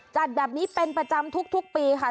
จัดแบบนี้เป็นประจำทุกปีค่ะ